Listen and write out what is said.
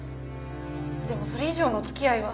でもそれ以上のお付き合いは。